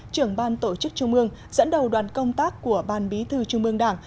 trưởng ban tổ chức trung ương dẫn đầu đoàn công tác của ban bí thư trung ương đảng